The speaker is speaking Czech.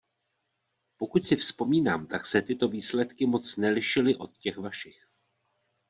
Pokud si vzpomínám, tak se tyto výsledky moc nelišily od těch vašich.